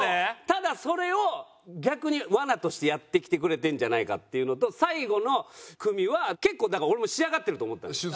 ただそれを逆に罠としてやってきてくれてるんじゃないかっていうのと最後の組は結構だから俺も仕上がってると思ったのよ